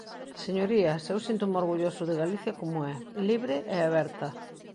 Señorías, eu síntome orgulloso de Galicia como é: libre e aberta.